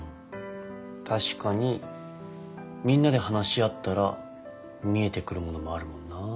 確かにみんなで話し合ったら見えてくるものもあるもんな。